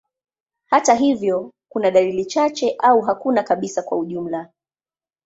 Hata hivyo, kuna dalili chache au hakuna kabisa kwa ujumla.